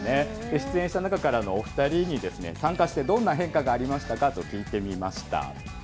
出演した中からのお２人に、参加して、どんな変化がありましたかと聞いてみました。